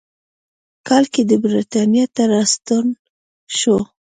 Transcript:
کال کې د برېټانیا ته راستون شو.